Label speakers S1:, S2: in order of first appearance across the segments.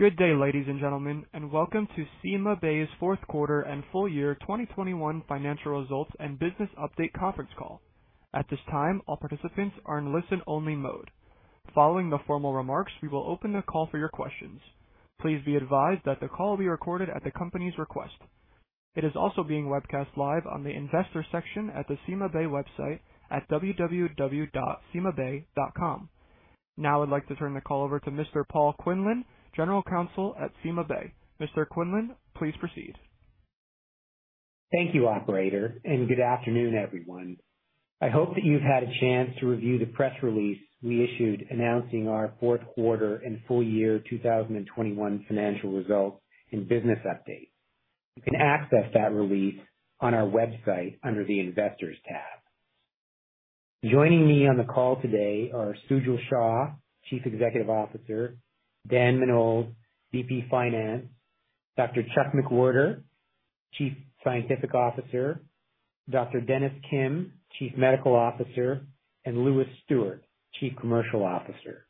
S1: Good day, ladies and gentlemen, and welcome to CymaBay's fourth quarter and full year 2021 financial results and business update conference call. At this time, all participants are in listen-only mode. Following the formal remarks, we will open the call for your questions. Please be advised that the call will be recorded at the company's request. It is also being webcast live on the investor section at the CymaBay website at www.cymabay.com. Now I'd like to turn the call over to Mr. Paul Quinlan, General Counsel at CymaBay. Mr. Quinlan, please proceed.
S2: Thank you, operator, and good afternoon, everyone. I hope that you've had a chance to review the press release we issued announcing our fourth quarter and full year 2021 financial results and business update. You can access that release on our website under the Investors tab. Joining me on the call today are Sujal Shah, Chief Executive Officer; Dan Menold, VP Finance; Dr. Chuck McWhorter, Chief Scientific Officer; Dr. Dennis Kim, Chief Medical Officer; and Lewis Stuart, Chief Commercial Officer.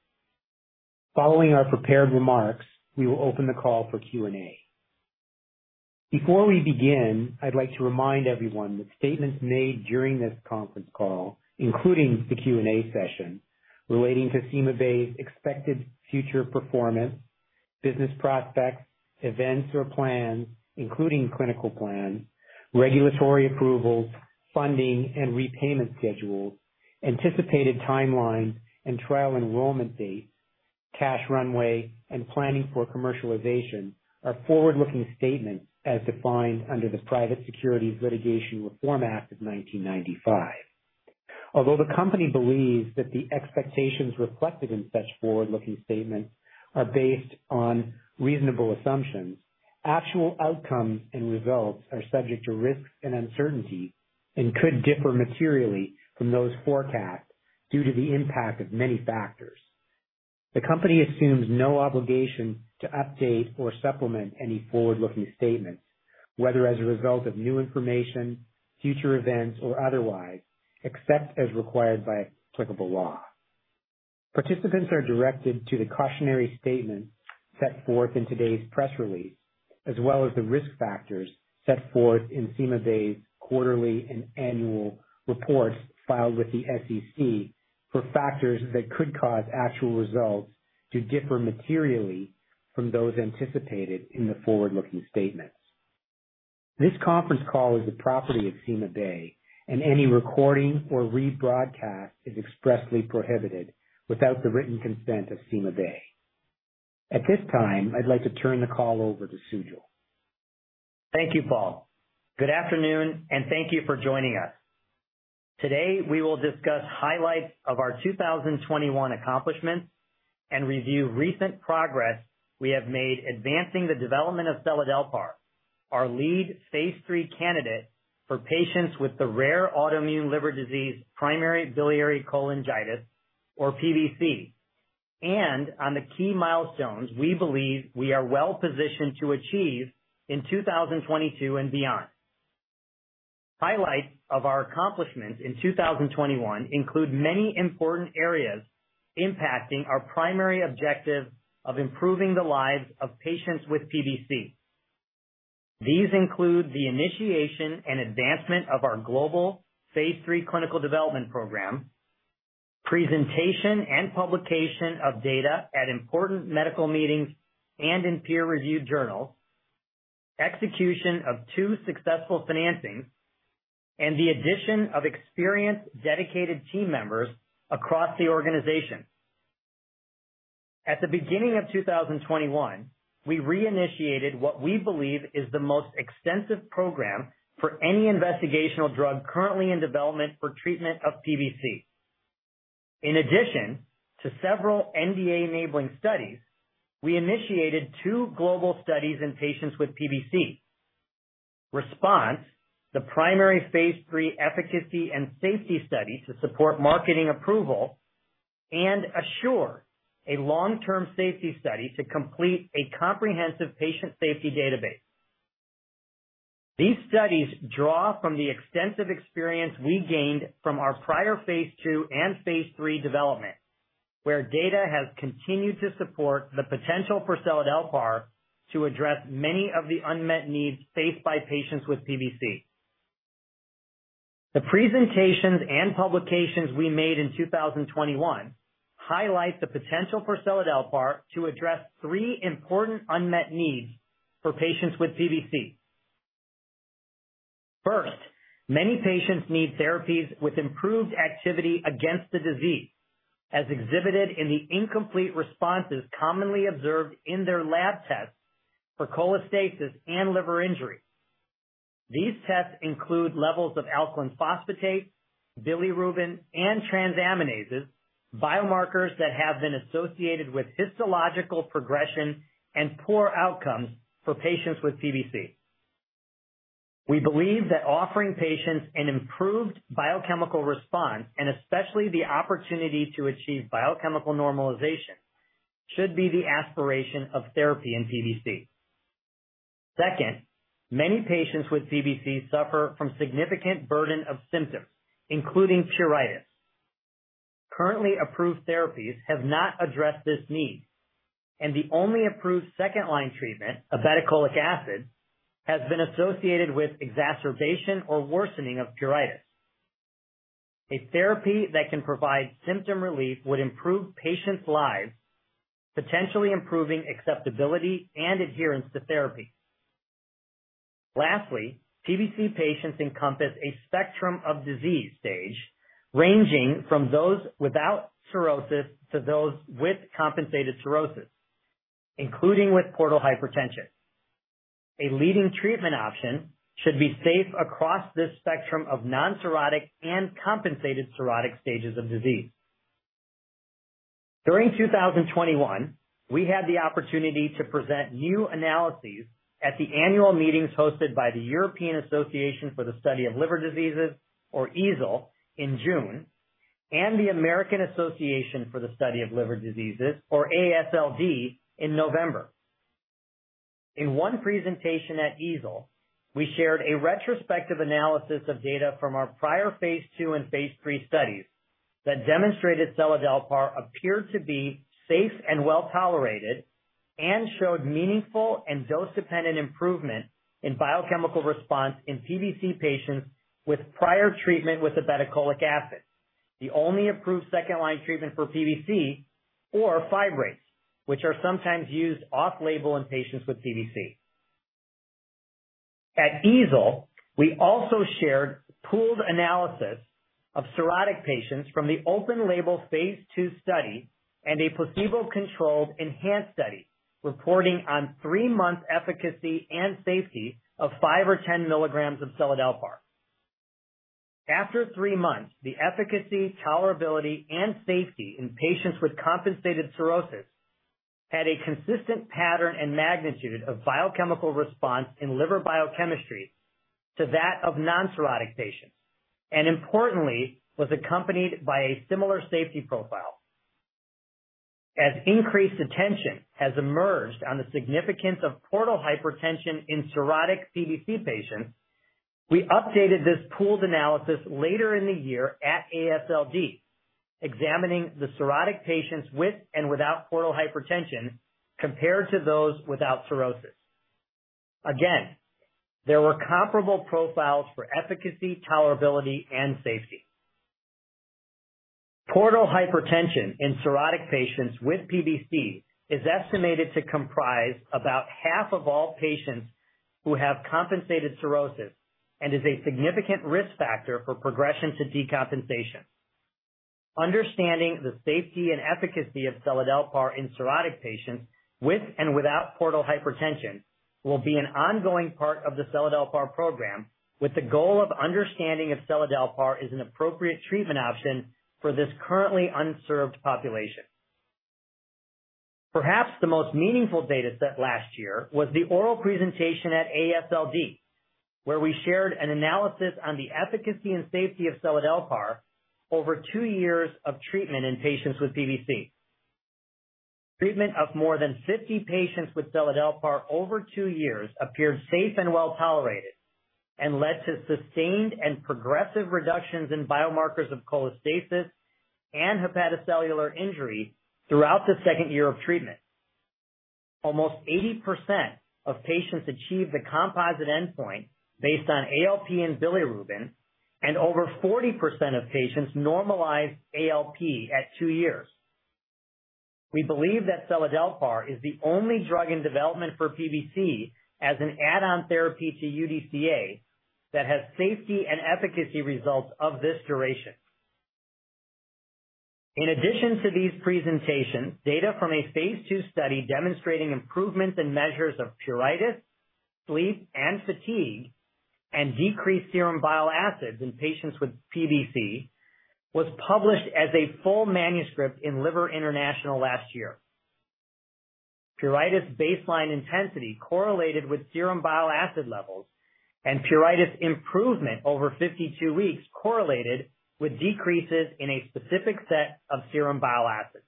S2: Following our prepared remarks, we will open the call for Q&A. Before we begin, I'd like to remind everyone that statements made during this conference call, including the Q&A session, relating to CymaBay's expected future performance, business prospects, events or plans, including clinical plans, regulatory approvals, funding and repayment schedules, anticipated timelines and trial enrollment dates, cash runway, and planning for commercialization are forward-looking statements as defined under the Private Securities Litigation Reform Act of 1995. Although the company believes that the expectations reflected in such forward-looking statements are based on reasonable assumptions, actual outcomes and results are subject to risks and uncertainties and could differ materially from those forecasts due to the impact of many factors. The company assumes no obligation to update or supplement any forward-looking statements, whether as a result of new information, future events, or otherwise, except as required by applicable law. Participants are directed to the cautionary statement set forth in today's press release, as well as the risk factors set forth in CymaBay's quarterly and annual reports filed with the SEC for factors that could cause actual results to differ materially from those anticipated in the forward-looking statements. This conference call is the property of CymaBay, and any recording or rebroadcast is expressly prohibited without the written consent of CymaBay. At this time, I'd like to turn the call over to Sujal.
S3: Thank you, Paul. Good afternoon, and thank you for joining us. Today, we will discuss highlights of our 2021 accomplishments and review recent progress we have made advancing the development of Seladelpar, our lead phase III candidate for patients with the rare autoimmune liver disease Primary Biliary Cholangitis or PBC, and on the key milestones we believe we are well-positioned to achieve in 2022 and beyond. Highlights of our accomplishments in 2021 include many important areas impacting our primary objective of improving the lives of patients with PBC. These include the initiation and advancement of our global phase III clinical development program, presentation and publication of data at important medical meetings and in peer-reviewed journals, execution of two successful financings, and the addition of experienced, dedicated team members across the organization. At the beginning of 2021, we reinitiated what we believe is the most extensive program for any investigational drug currently in development for treatment of PBC. In addition to several NDA-enabling studies, we initiated two global studies in patients with PBC. RESPONSE, the primary phase III efficacy and safety study to support marketing approval, and ASSURE, a long-term safety study to complete a comprehensive patient safety database. These studies draw from the extensive experience we gained from our prior phase II and phase III development, where data has continued to support the potential for Seladelpar to address many of the unmet needs faced by patients with PBC. The presentations and publications we made in 2021 highlight the potential for Seladelpar to address three important unmet needs for patients with PBC. First, many patients need therapies with improved activity against the disease, as exhibited in the incomplete responses commonly observed in their lab tests for cholestasis and liver injury. These tests include levels of alkaline phosphatase, bilirubin, and transaminases, biomarkers that have been associated with histological progression and poor outcomes for patients with PBC. We believe that offering patients an improved biochemical response, and especially the opportunity to achieve biochemical normalization, should be the aspiration of therapy in PBC. Second, many patients with PBC suffer from significant burden of symptoms, including pruritus. Currently approved therapies have not addressed this need, and the only approved second line treatment, ursodeoxycholic acid, has been associated with exacerbation or worsening of pruritus. A therapy that can provide symptom relief would improve patients' lives, potentially improving acceptability and adherence to therapy. Lastly, PBC patients encompass a spectrum of disease stage, ranging from those without cirrhosis to those with compensated cirrhosis, including with portal hypertension. A leading treatment option should be safe across this spectrum of non-cirrhotic and compensated cirrhotic stages of disease. During 2021, we had the opportunity to present new analyses at the annual meetings hosted by the European Association for the Study of the Liver, or EASL, in June, and the American Association for the Study of Liver Diseases, or AASLD, in November. In one presentation at EASL, we shared a retrospective analysis of data from our prior phase II and phase III studies that demonstrated Seladelpar appeared to be safe and well-tolerated and showed meaningful and dose-dependent improvement in biochemical response in PBC patients with prior treatment with ursodeoxycholic acid, the only approved second line treatment for PBC, or fibrates, which are sometimes used off-label in patients with PBC. At EASL, we also shared pooled analysis of cirrhotic patients from the open-label phase II study and a placebo-controlled ENHANCE study reporting on 3-month efficacy and safety of 5 or 10 mg of Seladelpar. After three months, the efficacy, tolerability, and safety in patients with compensated cirrhosis had a consistent pattern and magnitude of biochemical response in liver biochemistry to that of non-cirrhotic patients, and importantly, was accompanied by a similar safety profile. As increased attention has emerged on the significance of portal hypertension in cirrhotic PBC patients, we updated this pooled analysis later in the year at AASLD, examining the cirrhotic patients with and without portal hypertension compared to those without cirrhosis. Again, there were comparable profiles for efficacy, tolerability, and safety. Portal hypertension in cirrhotic patients with PBC is estimated to comprise about half of all patients who have compensated cirrhosis and is a significant risk factor for progression to decompensation. Understanding the safety and efficacy of Seladelpar in cirrhotic patients with and without portal hypertension will be an ongoing part of the Seladelpar program, with the goal of understanding if Seladelpar is an appropriate treatment option for this currently unserved population. Perhaps the most meaningful data set last year was the oral presentation at AASLD, where we shared an analysis on the efficacy and safety of Seladelpar over two years of treatment in patients with PBC. Treatment of more than 50 patients with Seladelpar over two years appeared safe and well-tolerated and led to sustained and progressive reductions in biomarkers of cholestasis and hepatocellular injury throughout the second year of treatment. Almost 80% of patients achieved the composite endpoint based on ALP and bilirubin, and over 40% of patients normalized ALP at two years. We believe that Seladelpar is the only drug in development for PBC as an add-on therapy to UDCA that has safety and efficacy results of this duration. In addition to these presentations, data from a phase II study demonstrating improvements in measures of pruritus, sleep, and fatigue, and decreased serum bile acids in patients with PBC was published as a full manuscript in Liver International last year. Pruritus baseline intensity correlated with serum bile acid levels, and pruritus improvement over 52 weeks correlated with decreases in a specific set of serum bile acids.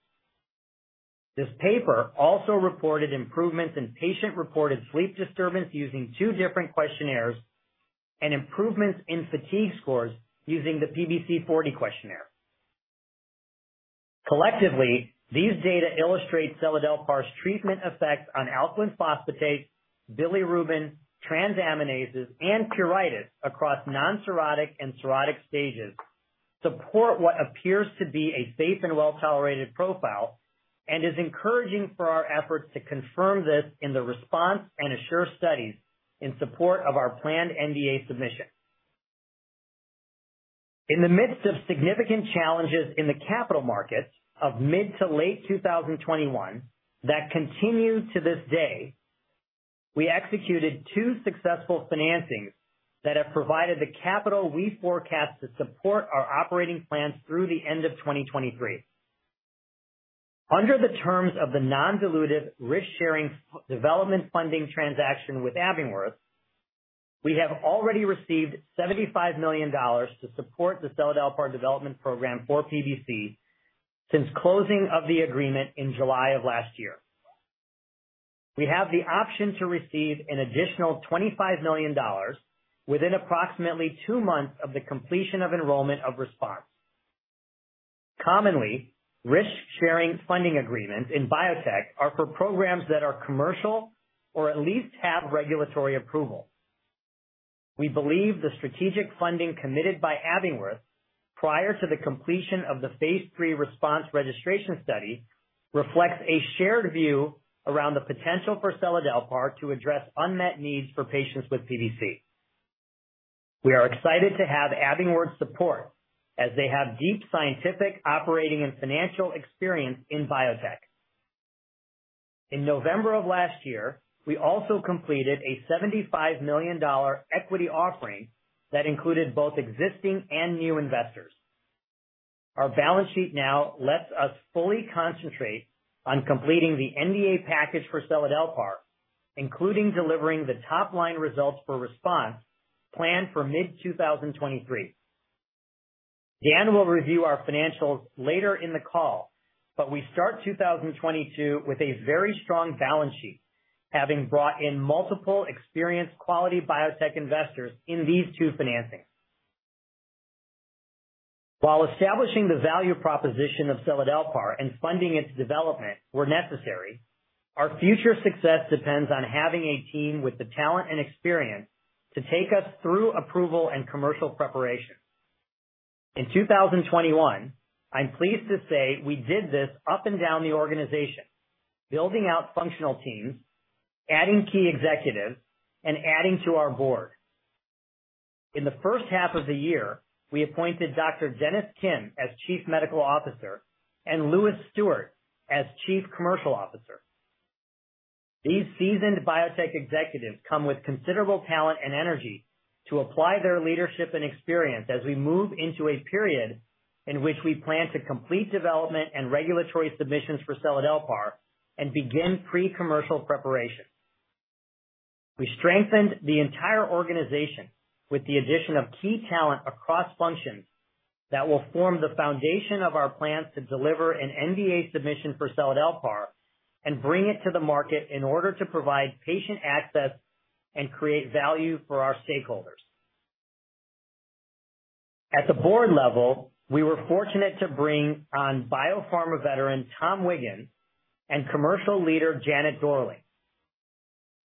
S3: This paper also reported improvements in patient-reported sleep disturbance using two different questionnaires and improvements in fatigue scores using the PBC-40 questionnaire. Collectively, these data illustrate Seladelpar's treatment effects on alkaline phosphatase, bilirubin, transaminases, and pruritus across non-cirrhotic and cirrhotic stages, support what appears to be a safe and well-tolerated profile and is encouraging for our efforts to confirm this in the RESPONSE and ASSURE studies in support of our planned NDA submission. In the midst of significant challenges in the capital markets of mid- to late 2021 that continue to this day, we executed two successful financings that have provided the capital we forecast to support our operating plans through the end of 2023. Under the terms of the non-dilutive risk-sharing development funding transaction with Abingworth, we have already received $75 million to support the Seladelpar development program for PBC since closing of the agreement in July of last year. We have the option to receive an additional $25 million within approximately two months of the completion of enrollment of RESPONSE. Commonly, risk-sharing funding agreements in biotech are for programs that are commercial or at least have regulatory approval. We believe the strategic funding committed by Abingworth prior to the completion of the phase III RESPONSE registration study reflects a shared view around the potential for Seladelpar to address unmet needs for patients with PBC. We are excited to have Abingworth support as they have deep scientific operating and financial experience in biotech. In November of last year, we also completed a $75 million equity offering that included both existing and new investors. Our balance sheet now lets us fully concentrate on completing the NDA package for Seladelpar, including delivering the top-line results for RESPONSE planned for mid-2023. Dan will review our financials later in the call, but we start 2022 with a very strong balance sheet, having brought in multiple experienced quality biotech investors in these two financings. While establishing the value proposition of Seladelpar and funding its development were necessary, our future success depends on having a team with the talent and experience to take us through approval and commercial preparation. In 2021, I'm pleased to say we did this up and down the organization, building out functional teams, adding key executives, and adding to our board. In the first half of the year, we appointed Dr. Dennis Kim as Chief Medical Officer and Lewis Stuart as Chief Commercial Officer. These seasoned biotech executives come with considerable talent and energy to apply their leadership and experience as we move into a period in which we plan to complete development and regulatory submissions for Seladelpar and begin pre-commercial preparation. We strengthened the entire organization with the addition of key talent across functions that will form the foundation of our plans to deliver an NDA submission for Seladelpar and bring it to the market in order to provide patient access and create value for our stakeholders. At the board level, we were fortunate to bring on biopharma veteran, Tom Wiggans, and commercial leader, Janet Dorling.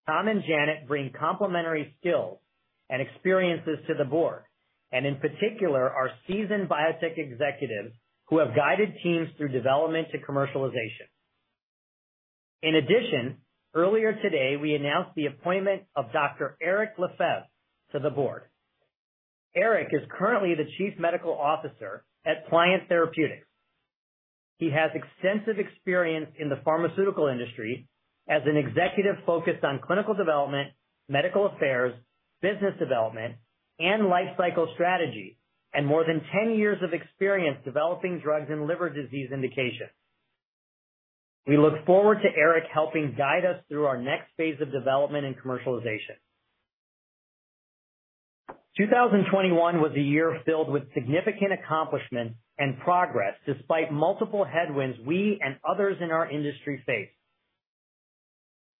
S3: Tom and Janet bring complementary skills and experiences to the board. In particular, are seasoned biotech executives who have guided teams through development to commercialization. In addition, earlier today, we announced the appointment of Dr. Éric Lefebvre to the board. Éric is currently the chief medical officer at Pliant Therapeutics. He has extensive experience in the pharmaceutical industry as an executive focused on clinical development, medical affairs, business development, and life cycle strategy, and more than 10 years of experience developing drugs in liver disease indications. We look forward to Éric Lefebvre helping guide us through our next phase of development and commercialization. 2021 was a year filled with significant accomplishments and progress despite multiple headwinds we and others in our industry faced.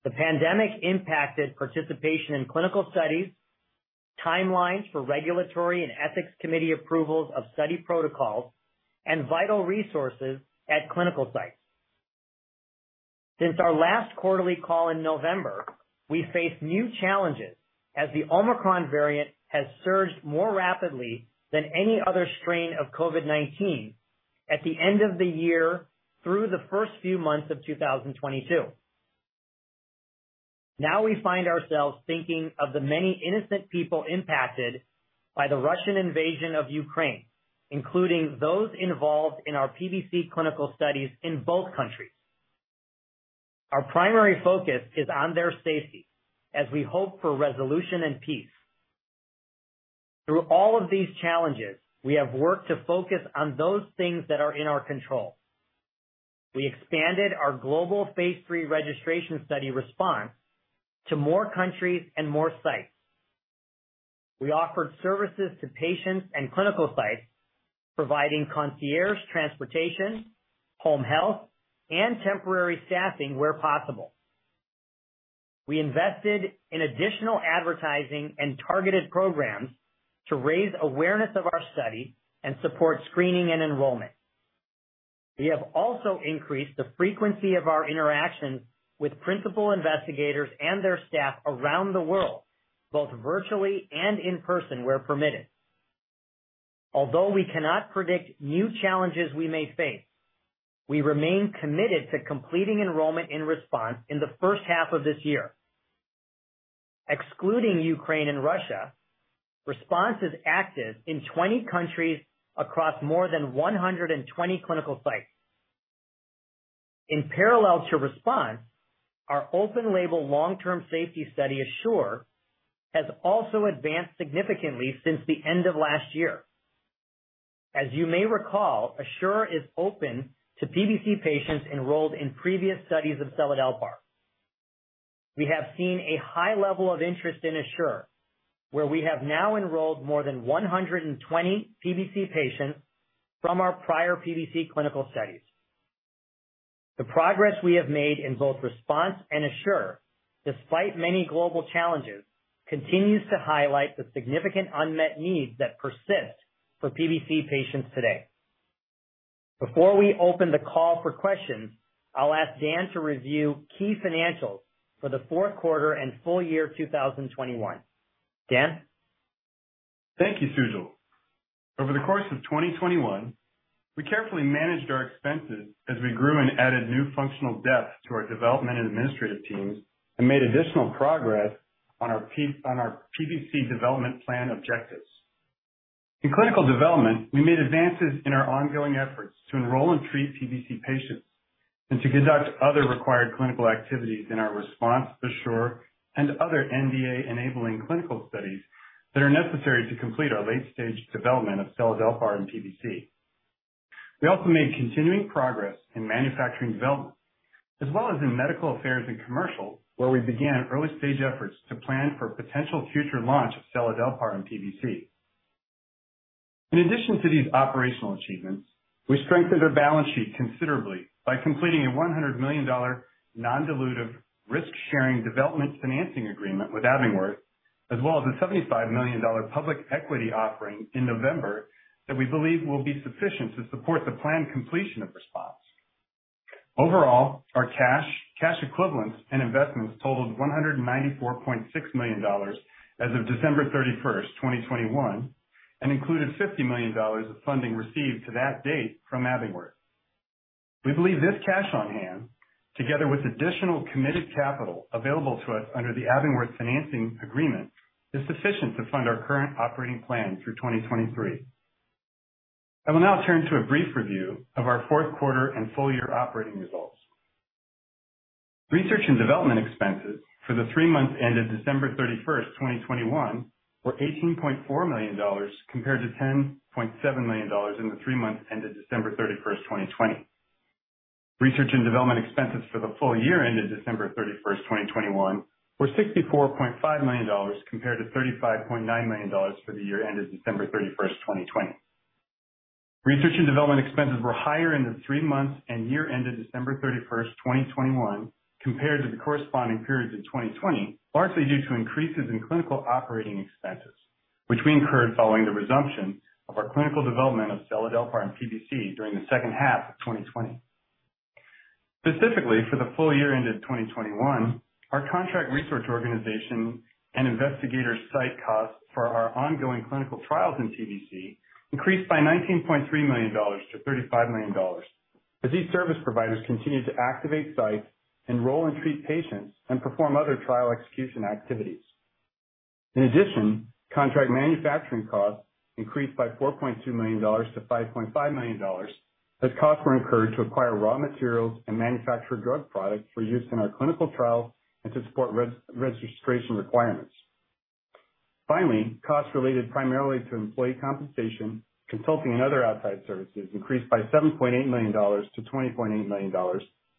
S3: The pandemic impacted participation in clinical studies, timelines for regulatory and ethics committee approvals of study protocols, and vital resources at clinical sites. Since our last quarterly call in November, we faced new challenges as the Omicron variant has surged more rapidly than any other strain of COVID-19 at the end of the year through the first few months of 2022. Now we find ourselves thinking of the many innocent people impacted by the Russian invasion of Ukraine, including those involved in our PBC clinical studies in both countries. Our primary focus is on their safety as we hope for resolution and peace. Through all of these challenges, we have worked to focus on those things that are in our control. We expanded our global phase III registration study RESPONSE to more countries and more sites. We offered services to patients and clinical sites, providing concierge transportation, home health, and temporary staffing where possible. We invested in additional advertising and targeted programs to raise awareness of our study and support screening and enrollment. We have also increased the frequency of our interactions with principal investigators and their staff around the world, both virtually and in person where permitted. Although we cannot predict new challenges we may face, we remain committed to completing enrollment in RESPONSE in the first half of this year. Excluding Ukraine and Russia, RESPONSE is active in 20 countries across more than 120 clinical sites. In parallel to RESPONSE, our open label long-term safety study, ASSURE, has also advanced significantly since the end of last year. As you may recall, ASSURE is open to PBC patients enrolled in previous studies of Seladelpar. We have seen a high level of interest in ASSURE, where we have now enrolled more than 120 PBC patients from our prior PBC clinical studies. The progress we have made in both RESPONSE and ASSURE, despite many global challenges, continues to highlight the significant unmet needs that persist for PBC patients today. Before we open the call for questions, I'll ask Dan to review key financials for the fourth quarter and full year 2021. Dan.
S4: Thank you, Sujal. Over the course of 2021, we carefully managed our expenses as we grew and added new functional depth to our development and administrative teams and made additional progress on our PBC development plan objectives. In clinical development, we made advances in our ongoing efforts to enroll and treat PBC patients and to conduct other required clinical activities in our RESPONSE, ASSURE, and other NDA-enabling clinical studies that are necessary to complete our late-stage development of Seladelpar in PBC. We also made continuing progress in manufacturing development as well as in medical affairs and commercial, where we began early-stage efforts to plan for potential future launch of Seladelpar in PBC. In addition to these operational achievements, we strengthened our balance sheet considerably by completing a $100 million non-dilutive risk-sharing development financing agreement with Abingworth, as well as a $75 million public equity offering in November that we believe will be sufficient to support the planned completion of RESPONSE. Overall, our cash equivalents and investments totaled $194.6 million as of December 31, 2021, and included $50 million of funding received to that date from Abingworth. We believe this cash on hand, together with additional committed capital available to us under the Abingworth financing agreement, is sufficient to fund our current operating plan through 2023. I will now turn to a brief review of our fourth quarter and full-year operating results. Research and development expenses for the three months ended December 31, 2021, were $18.4 million compared to $10.7 million in the three months ended December 31, 2020. Research and development expenses for the full year ended December 31, 2021, were $64.5 million compared to $35.9 million for the year ended December 31, 2020. Research and development expenses were higher in the three months and year ended December 31, 2021, compared to the corresponding periods in 2020, largely due to increases in clinical operating expenses, which we incurred following the resumption of our clinical development of Seladelpar in PBC during the second half of 2020. Specifically, for the full year ended 2021, our contract research organization and investigator site costs for our ongoing clinical trials in PBC increased by $19.3 million to $35 million as these service providers continued to activate sites, enroll and treat patients, and perform other trial execution activities. In addition, contract manufacturing costs increased by $4.2 million to $5.5 million as costs were incurred to acquire raw materials and manufacture drug products for use in our clinical trials and to support res-registration requirements. Finally, costs related primarily to employee compensation, consulting, and other outside services increased by $7.8 million to $20.8 million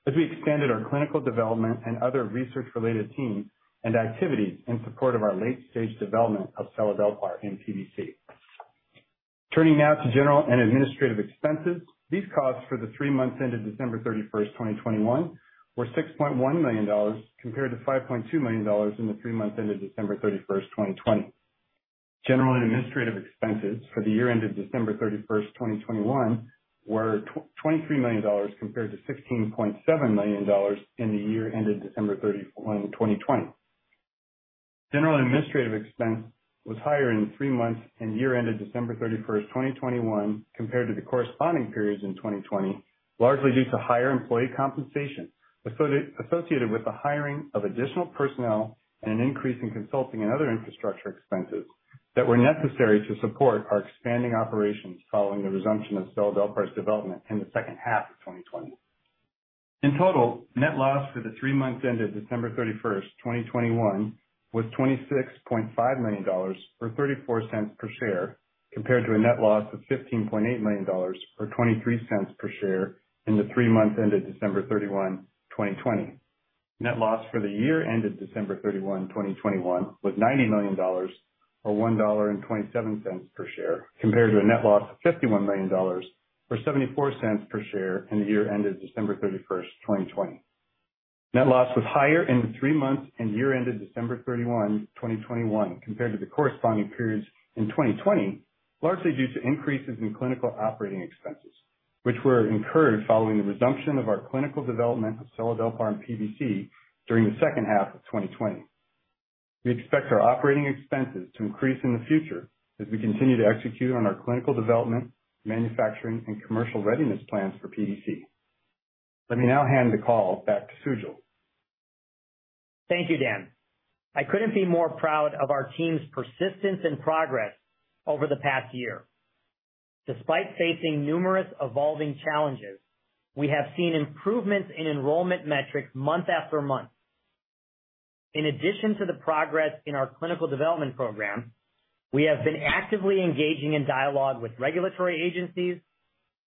S4: as we expanded our clinical development and other research-related teams and activities in support of our late-stage development of Seladelpar in PBC. Turning now to general and administrative expenses. These costs for the three months ended December 31, 2021, were $6.1 million compared to $5.2 million in the three months ended December 31, 2020. General and administrative expenses for the year ended December 31, 2021, were $23 million compared to $16.7 million in the year ended December 31, 2020. General and administrative expense was higher in the three months and year ended December 31, 2021, compared to the corresponding periods in 2020, largely due to higher employee compensation associated with the hiring of additional personnel and an increase in consulting and other infrastructure expenses that were necessary to support our expanding operations following the resumption of Seladelpar's development in the second half of 2020. In total, net loss for the three months ended December 31, 2021, was $26.5 million, or $0.34 per share, compared to a net loss of $15.8 million, or $0.23 per share, in the three months ended December 31, 2020. Net loss for the year ended December 31, 2021, was $90 million, or $1.27 per share, compared to a net loss of $51 million, or $0.74 per share, in the year ended December 31, 2020. Net loss was higher in the three months and year ended December 31, 2021, compared to the corresponding periods in 2020, largely due to increases in clinical operating expenses, which were incurred following the resumption of our clinical development of Seladelpar in PBC during the second half of 2020. We expect our operating expenses to increase in the future as we continue to execute on our clinical development, manufacturing, and commercial readiness plans for PBC. Let me now hand the call back to Sujal.
S3: Thank you, Dan. I couldn't be more proud of our team's persistence and progress over the past year. Despite facing numerous evolving challenges, we have seen improvements in enrollment metrics month after month. In addition to the progress in our clinical development program, we have been actively engaging in dialogue with regulatory agencies,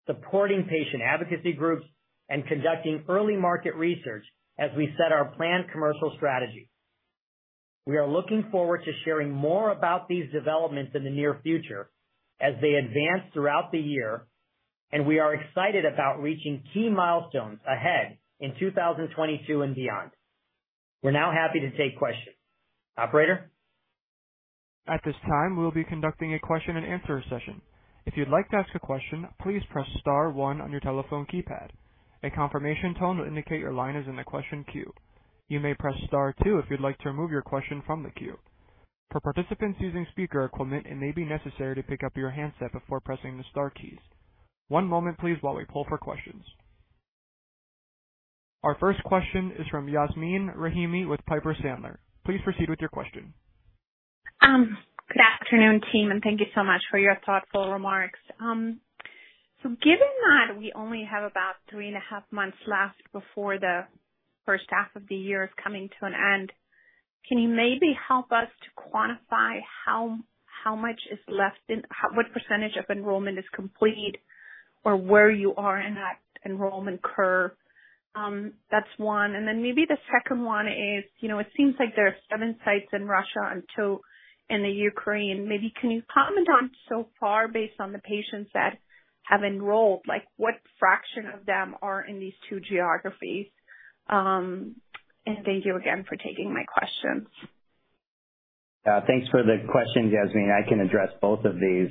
S3: supporting patient advocacy groups, and conducting early market research as we set our planned commercial strategy. We are looking forward to sharing more about these developments in the near future as they advance throughout the year, and we are excited about reaching key milestones ahead in 2022 and beyond. We're now happy to take questions. Operator?
S1: At this time, we'll be conducting a question-and-answer session. If you'd like to ask a question, please press star one on your telephone keypad. A confirmation tone will indicate your line is in the question queue. You may press star two if you'd like to remove your question from the queue. For participants using speaker equipment, it may be necessary to pick up your handset before pressing the star keys. One moment, please, while we pull for questions. Our first question is from Yasmeen Rahimi with Piper Sandler. Please proceed with your question.
S5: Good afternoon, team, and thank you so much for your thoughtful remarks. Given that we only have about three and a half months left before the first half of the year is coming to an end, can you maybe help us to quantify how much is left and what percentage of enrollment is complete, or where you are in that enrollment curve? That's one. Maybe the second one is, you know, it seems like there are seven sites in Russia and two in Ukraine. Maybe can you comment on so far based on the patients that have enrolled, like what fraction of them are in these two geographies? And thank you again for taking my questions.
S3: Thanks for the question, Yasmeen. I can address both of these.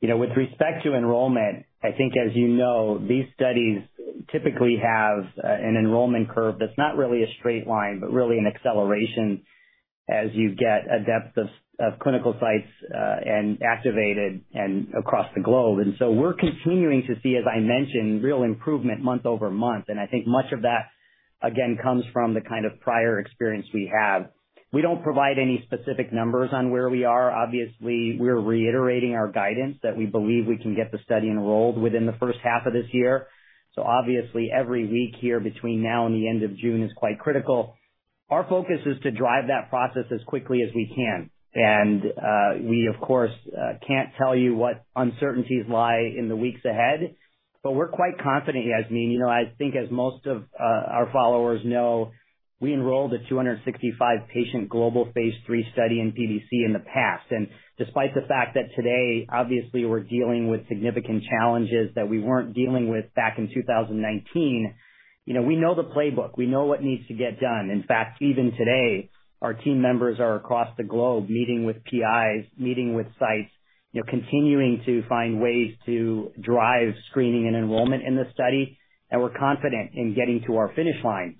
S3: You know, with respect to enrollment, I think as you know, these studies typically have an enrollment curve that's not really a straight line, but really an acceleration as you get a depth of clinical sites activated and across the globe. We're continuing to see, as I mentioned, real improvement month-over-month. I think much of that, again, comes from the kind of prior experience we have. We don't provide any specific numbers on where we are. Obviously, we're reiterating our guidance that we believe we can get the study enrolled within the first half of this year. Obviously, every week here between now and the end of June is quite critical. Our focus is to drive that process as quickly as we can. We, of course, can't tell you what uncertainties lie in the weeks ahead, but we're quite confident, Yasmeen. You know, I think as most of our followers know, we enrolled a 265-patient global phase III study in PBC in the past. Despite the fact that today, obviously, we're dealing with significant challenges that we weren't dealing with back in 2019, you know, we know the playbook. We know what needs to get done. In fact, even today, our team members are across the globe meeting with PIs, meeting with sites, you know, continuing to find ways to drive screening and enrollment in this study, and we're confident in getting to our finish line.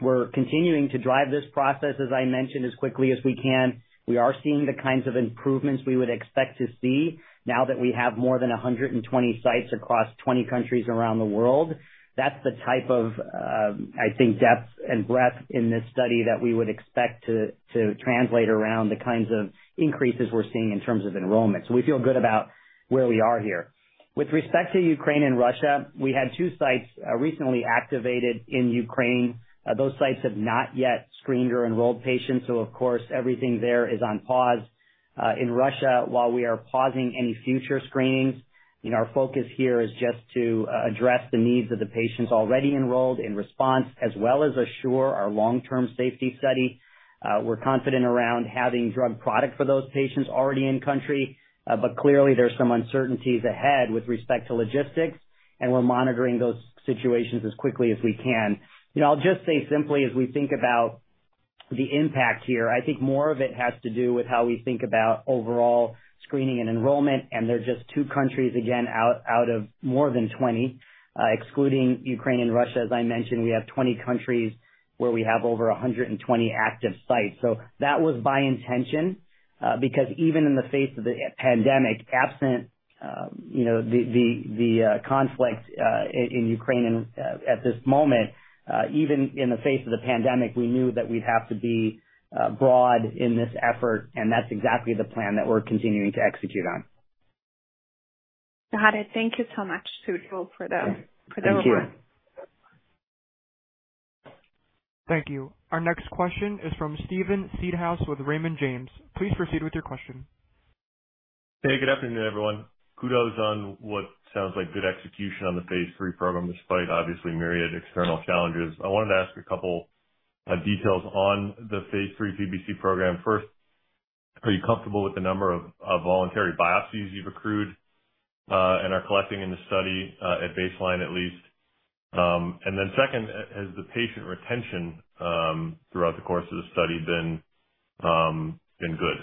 S3: We're continuing to drive this process, as I mentioned, as quickly as we can. We are seeing the kinds of improvements we would expect to see now that we have more than 120 sites across 20 countries around the world. That's the type of, I think depth and breadth in this study that we would expect to translate around the kinds of increases we're seeing in terms of enrollment. We feel good about where we are here. With respect to Ukraine and Russia, we had two sites recently activated in Ukraine. Those sites have not yet screened or enrolled patients, so of course, everything there is on pause. In Russia, while we are pausing any future screenings, you know, our focus here is just to address the needs of the patients already enrolled in RESPONSE, as well as ASSURE our long-term safety study. We're confident around having drug product for those patients already in country. Clearly there's some uncertainties ahead with respect to logistics, and we're monitoring those situations as quickly as we can. You know, I'll just say simply as we think about the impact here, I think more of it has to do with how we think about overall screening and enrollment, and they're just two countries, again, out of more than 20. Excluding Ukraine and Russia, as I mentioned, we have 20 countries where we have over 120 active sites. That was by intention, because even in the face of the pandemic, absent, you know, the conflict in Ukraine and, at this moment, even in the face of the pandemic, we knew that we'd have to be broad in this effort, and that's exactly the plan that we're continuing to execute on.
S5: Got it. Thank you so much. It was helpful for the.
S3: Thank you.
S5: For the overview.
S1: Thank you. Our next question is from Steven Seedhouse with Raymond James. Please proceed with your question.
S6: Hey, good afternoon, everyone. Kudos on what sounds like good execution on the phase III program, despite obviously myriad external challenges. I wanted to ask a couple details on the phase III PBC program. First, are you comfortable with the number of voluntary biopsies you've accrued and are collecting in the study at baseline at least? Second, has the patient retention throughout the course of the study been good?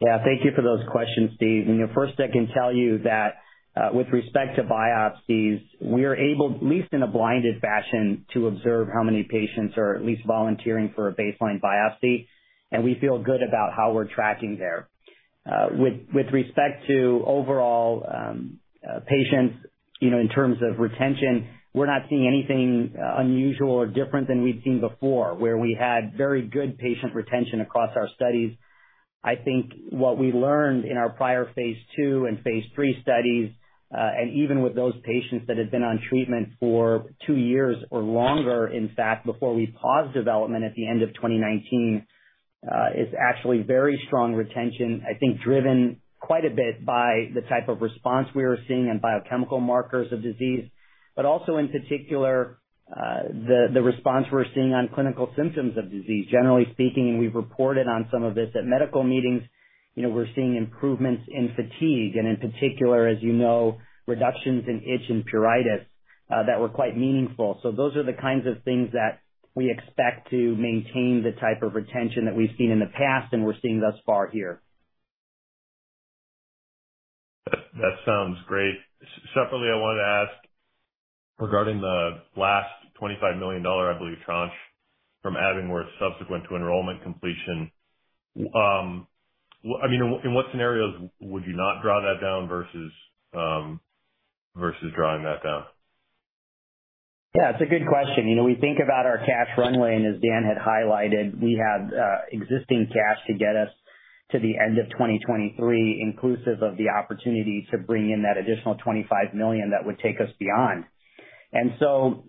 S3: Yeah, thank you for those questions, Steve. You know, first, I can tell you that, with respect to biopsies, we are able, at least in a blinded fashion, to observe how many patients are at least volunteering for a baseline biopsy, and we feel good about how we're tracking there. With respect to overall patients, you know, in terms of retention, we're not seeing anything unusual or different than we'd seen before, where we had very good patient retention across our studies. I think what we learned in our prior phase II and phase III studies, and even with those patients that had been on treatment for two years or longer, in fact, before we paused development at the end of 2019, is actually very strong retention, I think driven quite a bit by the type of response we are seeing in biochemical markers of disease, but also in particular, the response we're seeing on clinical symptoms of disease. Generally speaking, we've reported on some of this at medical meetings. You know, we're seeing improvements in fatigue and, in particular, as you know, reductions in itch and pruritus that were quite meaningful. Those are the kinds of things that we expect to maintain the type of retention that we've seen in the past, and we're seeing thus far here.
S6: That sounds great. Separately, I wanted to ask regarding the last $25 million, I believe, tranche from Abingworth subsequent to enrollment completion. I mean, in what scenarios would you not draw that down versus drawing that down?
S3: Yeah, it's a good question. You know, we think about our cash runway, and as Dan had highlighted, we have existing cash to get us to the end of 2023, inclusive of the opportunity to bring in that additional $25 million that would take us beyond.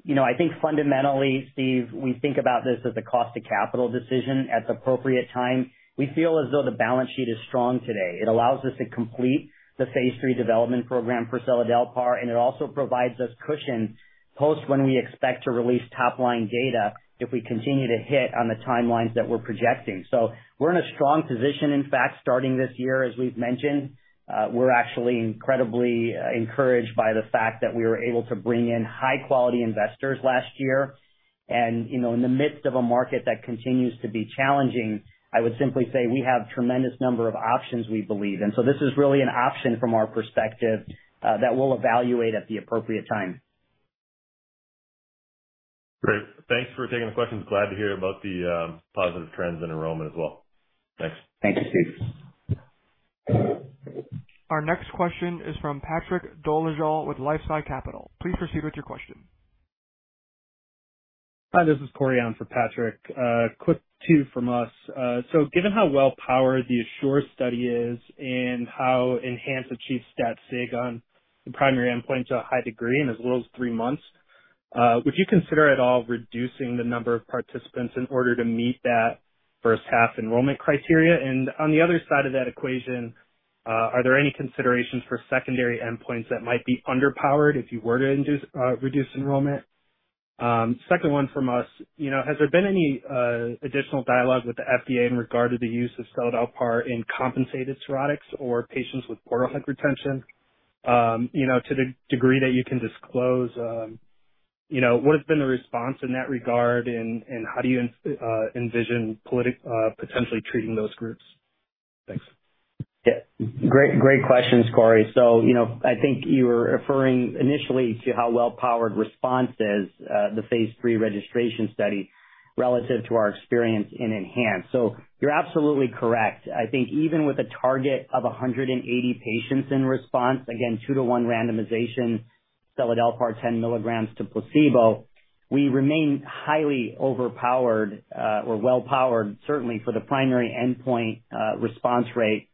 S3: You know, I think fundamentally, Steve, we think about this as a cost to capital decision at the appropriate time. We feel as though the balance sheet is strong today. It allows us to complete the phase III development program for Seladelpar, and it also provides us cushion post when we expect to release top-line data if we continue to hit on the timelines that we're projecting. We're in a strong position, in fact, starting this year, as we've mentioned. We're actually incredibly encouraged by the fact that we were able to bring in high-quality investors last year. You know, in the midst of a market that continues to be challenging, I would simply say we have tremendous number of options we believe. This is really an option from our perspective that we'll evaluate at the appropriate time.
S6: Great. Thanks for taking the questions. Glad to hear about the positive trends in enrollment as well. Thanks.
S3: Thank you, Steve.
S1: Our next question is from Patrick Dolezal with LifeSci Capital. Please proceed with your question.
S7: Hi, this is Cory on for Patrick. Quick two from us. Given how well-powered the ASSURE study is and how ENHANCE achieved stat sig on the primary endpoint to a high degree in as little as three months, would you consider at all reducing the number of participants in order to meet that first half enrollment criteria? On the other side of that equation, are there any considerations for secondary endpoints that might be underpowered if you were to reduce enrollment? Second one from us. You know, has there been any additional dialogue with the FDA in regard to the use of Seladelpar in compensated cirrhotics or patients with portal hypertension? You know, to the degree that you can disclose, you know, what has been the response in that regard and how do you envision potentially treating those groups? Thanks.
S3: Yeah. Great questions, Cory. You know, I think you were referring initially to how well-powered RESPONSE is, the phase III registration study relative to our experience in ENHANCE. You're absolutely correct. I think even with a target of 180 patients in RESPONSE, again 2:1 randomization, Seladelpar 10 mg to placebo, we remain highly overpowered, or well-powered certainly for the primary endpoint, response rate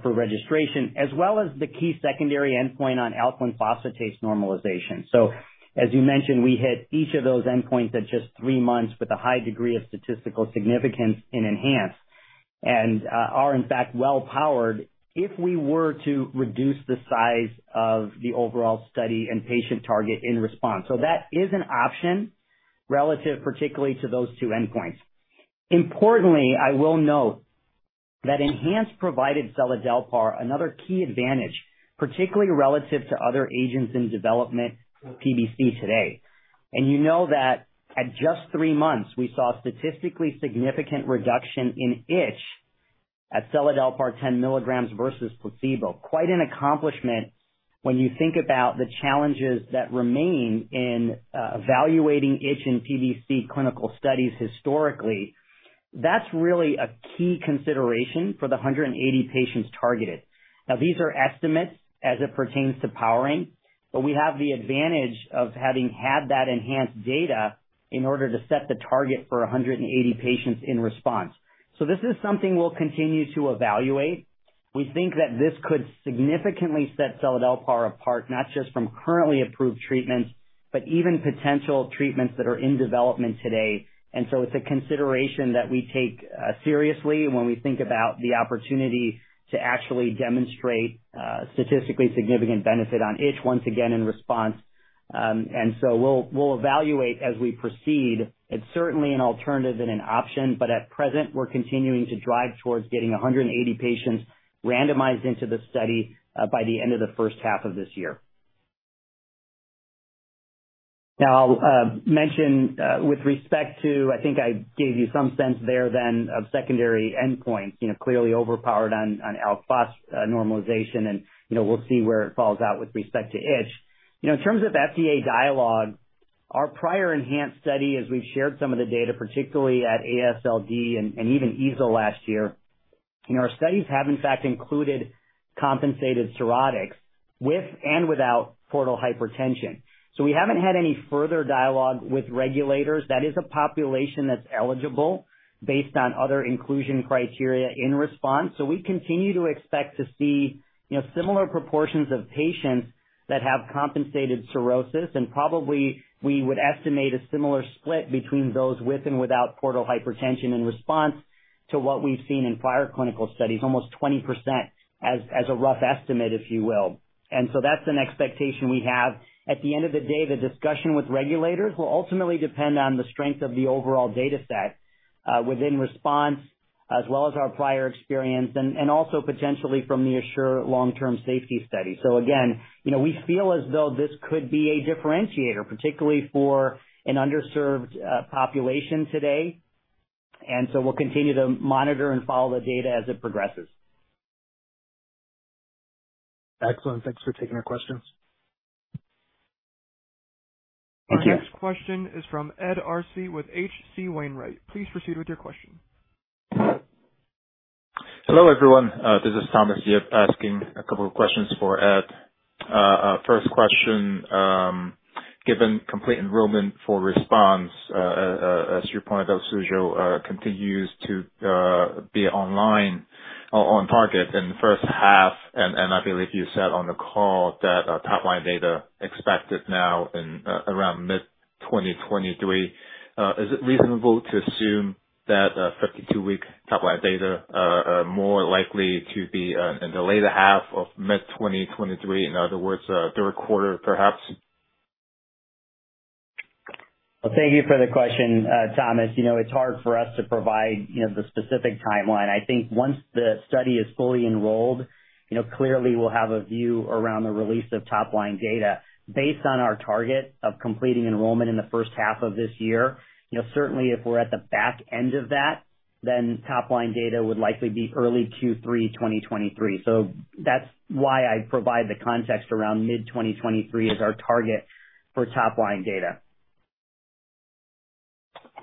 S3: for registration, as well as the key secondary endpoint on alkaline phosphatase normalization. As you mentioned, we hit each of those endpoints at just three months with a high degree of statistical significance in ENHANCE and are, in fact, well-powered if we were to reduce the size of the overall study and patient target in RESPONSE. That is an option relative particularly to those two endpoints. Importantly, I will note that ENHANCE provided Seladelpar another key advantage, particularly relative to other agents in development for PBC today. You know that at just three months, we saw statistically significant reduction in itch at Seladelpar 10 mg versus placebo. Quite an accomplishment when you think about the challenges that remain in evaluating itch in PBC clinical studies historically. That's really a key consideration for the 180 patients targeted. Now, these are estimates as it pertains to powering, but we have the advantage of having had that ENHANCE data in order to set the target for a 180 patients in RESPONSE. This is something we'll continue to evaluate. We think that this could significantly set Seladelpar apart, not just from currently approved treatments, but even potential treatments that are in development today. It's a consideration that we take seriously when we think about the opportunity to actually demonstrate statistically significant benefit on itch once again in RESPONSE. We'll evaluate as we proceed. It's certainly an alternative and an option, but at present, we're continuing to drive towards getting 180 patients randomized into the study by the end of the first half of this year. Now, I'll mention with respect to, I think I gave you some sense there then of secondary endpoints, you know, clearly overpowered on ALP normalization, and, you know, we'll see where it falls out with respect to itch. You know, in terms of the FDA dialogue, our prior ENHANCE study, as we've shared some of the data, particularly at AASLD and even EASL last year, you know, our studies have in fact included compensated cirrhotics with and without portal hypertension. We haven't had any further dialogue with regulators. That is a population that's eligible based on other inclusion criteria in RESPONSE. We continue to expect to see, you know, similar proportions of patients that have compensated cirrhosis, and probably we would estimate a similar split between those with and without portal hypertension in response to what we've seen in prior clinical studies, almost 20% as a rough estimate, if you will. That's an expectation we have. At the end of the day, the discussion with regulators will ultimately depend on the strength of the overall data set within RESPONSE, as well as our prior experience, and also potentially from the ASSURE long-term safety study. Again, you know, we feel as though this could be a differentiator, particularly for an underserved population today, and we'll continue to monitor and follow the data as it progresses.
S7: Excellent. Thanks for taking our questions.
S3: Okay.
S1: Our next question is from Ed Arce with H.C. Wainwright. Please proceed with your question.
S8: Hello, everyone. This is Thomas Yip asking a couple of questions for Ed. First question. Given complete enrollment for RESPONSE, as you pointed out, Sujal, continues to be online or on target in the first half, and I believe you said on the call that top-line data expected now in around mid-2023. Is it reasonable to assume that a 52-week top-line data are more likely to be in the later half of mid-2023? In other words, third quarter, perhaps?
S3: Well, thank you for the question, Thomas. You know, it's hard for us to provide, you know, the specific timeline. I think once the study is fully enrolled, you know, clearly we'll have a view around the release of top-line data. Based on our target of completing enrollment in the first half of this year, you know, certainly if we're at the back end of that, then top-line data would likely be early Q3 2023. That's why I provide the context around mid-2023 as our target for top-line data.